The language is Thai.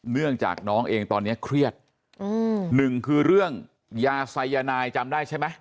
เนื่องจากน้องเองตอนนี้เครียดอืมหนึ่งคือเรื่องยาสายนายจำได้ใช่ไหม